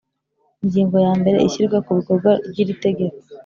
Ingingo ya mbere Ishyirwa mu bikorwa ry iri tegeko